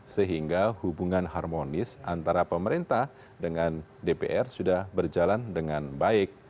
sehingga hubungan harmonis antara pemerintah dengan dpr sudah berjalan dengan baik